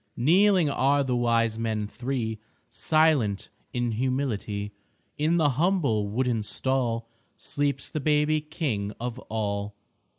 Kneeling are the Wise Men Three, Silent in humility. In the humble wooden stall Sleeps the baby King of all.